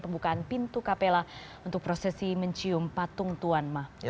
pembukaan pintu kapela untuk prosesi mencium patung tuan ma